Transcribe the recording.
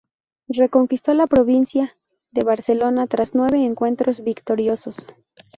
Reconquistó la provincia de Barcelona tras nueve encuentros victoriosos.